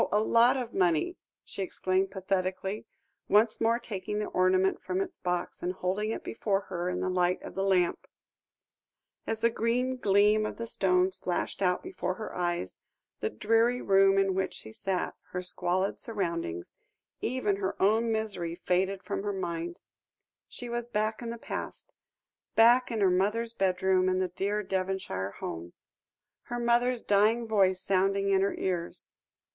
a lot of money," she exclaimed pathetically, once more taking the ornament from its box, and holding it before her in the light of the lamp. As the green gleam of the stones flashed out before her eyes, the dreary room in which she sat, her squalid surroundings, even her own misery faded from her mind; she was back in the past back in her mother's bedroom in the dear Devonshire home her mother's dying voice sounding in her ears.